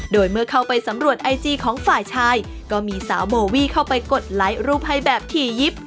โดยเมื่อเข้าไปสำรวจไอจีของฝ่ายชายก็มีสาวโบวี่เข้าไปกดไลค์รูปให้แบบถี่ยิบ